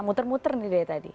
muter muter nih dari tadi